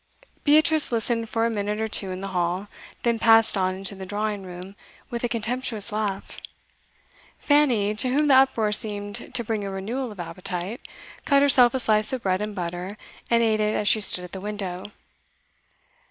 Beatrice listened for a minute or two in the hall, then passed on into the drawing room with a contemptuous laugh. Fanny, to whom the uproar seemed to bring a renewal of appetite, cut herself a slice of bread and butter, and ate it as she stood at the window.